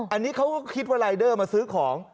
อันนี้เขาก็คิดว่ารายเดอร์มาซื้อของ